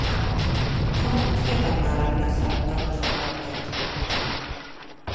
Com ho puc fer per anar a la plaça de Rosa Peraulet?